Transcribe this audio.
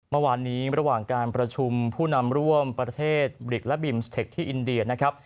เมื่อวานนี้ระหว่างการประชุมผู้นำร่วมประเทศบริกและบิมสเทคที่อินเดียนะครับ